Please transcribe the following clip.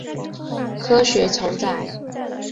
科学酬载